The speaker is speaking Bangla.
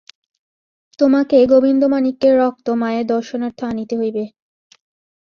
তোমাকে গোবিন্দমাণিক্যের রক্ত মায়ের দর্শনার্থ আনিতে হইবে।